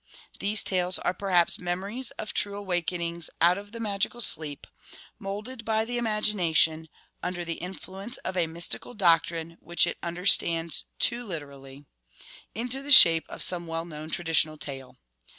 These tales are perhaps memories of true awak enings out of the magical sleep, moulded by the imagination, under the influence of a mysti cal doctrine which it understands too literally, 6 8i into the shape of some well known traditional tale.